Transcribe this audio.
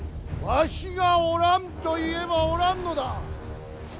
わしがおらんと言えばおらんのだ。